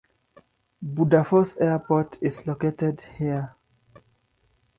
Bardufoss Airport is located here.